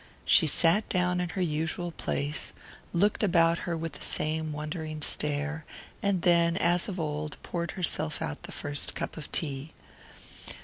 She sat down in her usual place, looked about her with the same wondering stare, and then, as of old, poured herself out the first cup of tea.